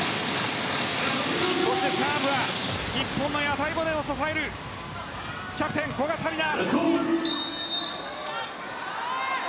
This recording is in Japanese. サーブは日本の屋台骨を支えるキャプテン、古賀紗理那。